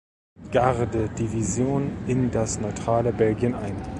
Garde-Division in das neutrale Belgien ein.